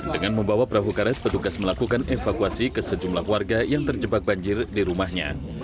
dengan membawa perahu karet petugas melakukan evakuasi ke sejumlah warga yang terjebak banjir di rumahnya